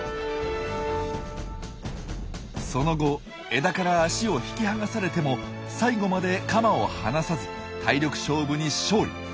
その後枝から脚を引き剥がされても最後までカマを離さず体力勝負に勝利。